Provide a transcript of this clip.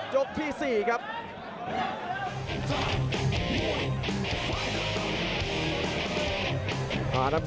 มันกำเท่าที่เขาซ้ายมันกำเท่าที่เขาซ้าย